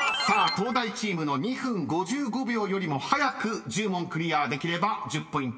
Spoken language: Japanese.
東大チームの２分５５秒よりも早く１０問クリアできれば１０ポイント獲得となります］